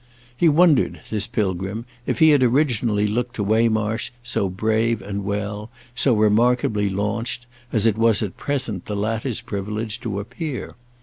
He wondered, this pilgrim, if he had originally looked to Waymarsh so brave and well, so remarkably launched, as it was at present the latter's privilege to appear.